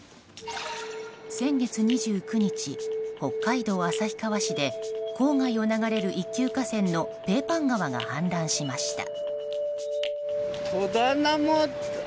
先月２９日、北海道旭川市で郊外を流れる一級河川のペーパン川が氾濫しました。